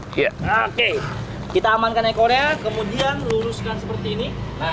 oke kita amankan ekornya kemudian luruskan seperti ini